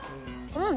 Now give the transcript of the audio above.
うん！